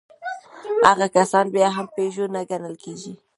هغه کسان بيا هم پيژو نه ګڼل کېږي.